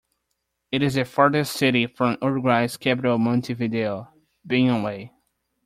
It is the farthest city from Uruguay's capital Montevideo, being away.